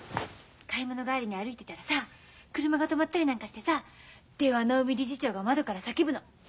買い物帰りに歩いてたらさ車が止まったりなんかしてさ出羽海理事長が窓から叫ぶの。